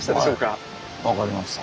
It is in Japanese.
はい分かりました。